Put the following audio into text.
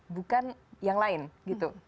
bukan yang lain gitu